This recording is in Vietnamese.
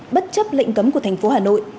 bất chấp lệnh cấm của thành phố hà nội